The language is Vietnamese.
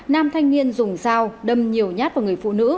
nam thanh niên dùng dao đâm nhiều nhát vào người phụ nữ